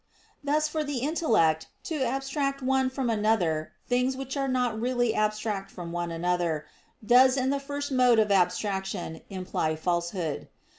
Thus for the intellect to abstract one from another things which are not really abstract from one another, does, in the first mode of abstraction, imply falsehood.